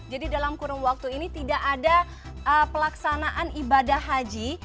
jadi dalam kurun waktu ini tidak ada pelaksanaan ibadah haji